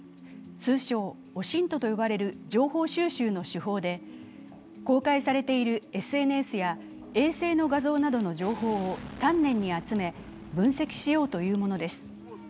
通称オシントと呼ばれる情報収集の手法で、公開されているＳＮＳや衛星の画像などの情報を丹念に集め、分析しようというものです。